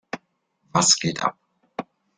Was geht ab?